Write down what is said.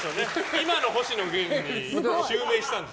今の星野源に襲名したんです。